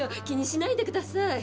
気にしないでください。